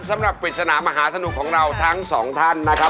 สำหรับปริศนามหาสนุกของเราทั้ง๒ท่านนะครับ